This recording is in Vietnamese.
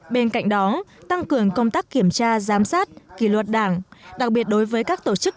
bên cạnh đó tăng cường công tác kiểm tra giám sát kỷ luật đảng đặc biệt đối với các tổ chức